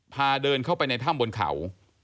เดินเข้าไปในถ้ำบนเขา